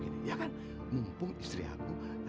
tadi waktu sinta tinggalin